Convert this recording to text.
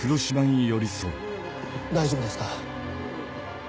大丈夫ですか？